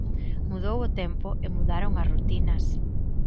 Mudou o tempo e mudaron as rutinas.